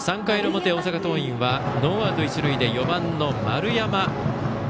３回の表、大阪桐蔭はノーアウト、一塁で４番の丸山。